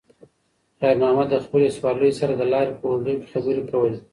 خیر محمد د خپلې سوارلۍ سره د لارې په اوږدو کې خبرې کولې.